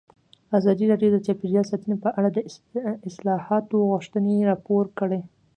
ازادي راډیو د چاپیریال ساتنه په اړه د اصلاحاتو غوښتنې راپور کړې.